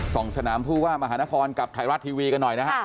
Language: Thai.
ส่งสนามผู้ว่ามหานครกับไทยรัฐทีวีกันหน่อยนะฮะ